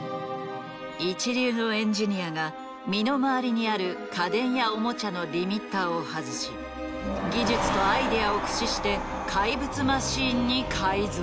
一流のエンジニアが身の回りにある家電やオモチャのリミッターを外し技術とアイデアを駆使して怪物マシンに改造。